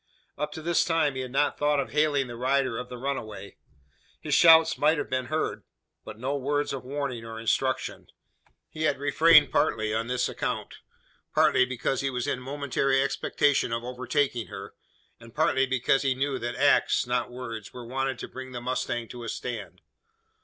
Up to this time he had not thought of hailing the rider of the runaway. His shouts might have been heard; but no words of warning, or instruction. He had refrained: partly on this account; partly because he was in momentary expectation of overtaking her; and partly because he knew that acts, not words, were wanted to bring the mustang to a stand.